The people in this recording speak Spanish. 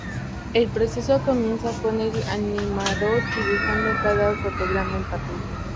El proceso comienza con el animador dibujando cada fotograma en papel.